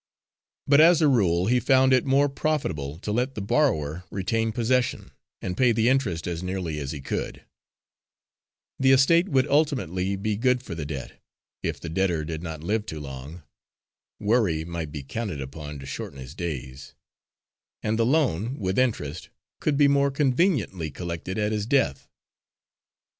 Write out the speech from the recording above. But as a rule, he found it more profitable to let the borrower retain possession and pay the interest as nearly as he could; the estate would ultimately be good for the debt, if the debtor did not live too long worry might be counted upon to shorten his days and the loan, with interest, could be more conveniently collected at his death.